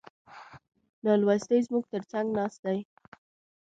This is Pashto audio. نالوستي زموږ تر څنګ ناست دي.